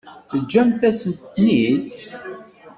Teǧǧamt-as-ten-id?